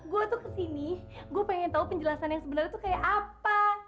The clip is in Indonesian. gue tuh kesini gue pengen tahu penjelasan yang sebenarnya tuh kayak apa